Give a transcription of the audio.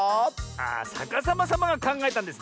ああさかさまさまがかんがえたんですね。